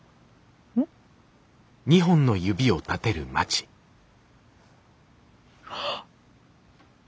ん？あっ！